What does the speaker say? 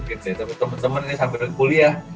tapi teman teman ini sampai kuliah